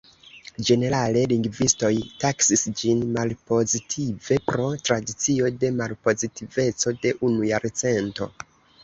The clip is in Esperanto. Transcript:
Ĝenerale lingvistoj taksis ĝin malpozitive pro tradicio de malpozitiveco de unu jarcento.